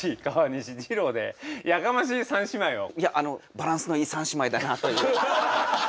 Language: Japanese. バランスのいい三姉妹だなという。